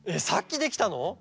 さっきできたの？